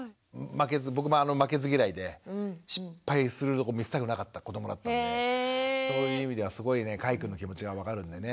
僕も負けず嫌いで失敗するとこ見せたくなかった子どもだったんでそういう意味ではすごいねかいくんの気持ちが分かるんでね。